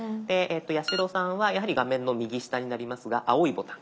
八代さんはやはり画面の右下になりますが青いボタン。